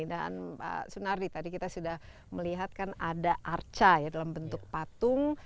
dan pak sunardi tadi kita sudah melihat kan ada arca ya dalam bentuk patung